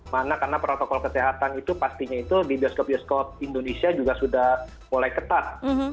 mana karena protokol kesehatan itu pastinya itu di bioskop bioskop indonesia juga sudah mulai ketat